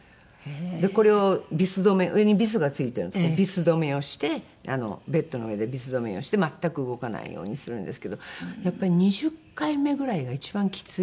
これをビス留め上にビスが付いてるんですけどビス留めをしてベッドの上でビス留めをして全く動かないようにするんですけどやっぱり２０回目ぐらいが一番きついですね。